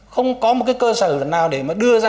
không có một cơ sở nào để đưa ra